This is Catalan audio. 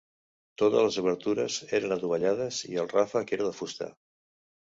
Totes les obertures eren adovellades i el ràfec era de fusta.